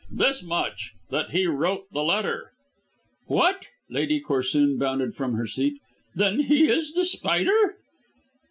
"This much that he wrote the letter." "What!" Lady Corsoon bounded from her seat. "Then he is The Spider?"